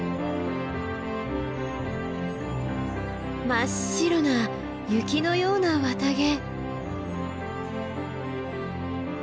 真っ白な雪のような綿毛。